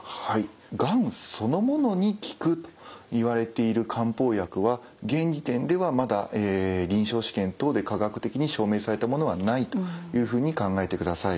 がんそのものに効くといわれている漢方薬は現時点ではまだ臨床試験等で科学的に証明されたものはないというふうに考えてください。